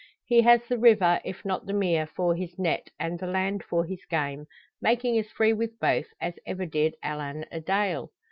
He has the river, if not the mere, for his net, and the land for his game; making as free with both as ever did Alan a dale.